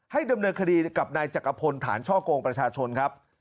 ดำเนินคดีกับนายจักรพลฐานช่อกงประชาชนครับ